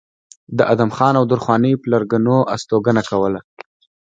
د ادم خان او درخانۍ پلرګنو استوګنه کوله